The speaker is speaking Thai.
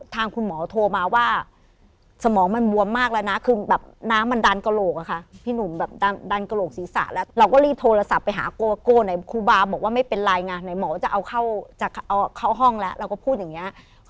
ทางคุณหมอโทรมาว่าสมองมันววำมากแล้วนะ